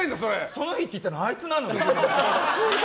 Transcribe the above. その日って言ったのあいつなのに。